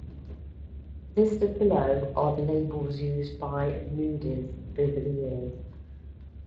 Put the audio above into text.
Listed below are the labels used by Moodyz over the years.